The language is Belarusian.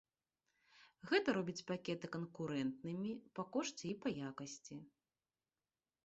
Гэта робіць пакеты канкурэнтнымі па кошце і па якасці.